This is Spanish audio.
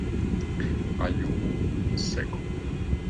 Ayumu Seko